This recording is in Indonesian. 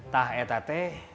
tah etat teh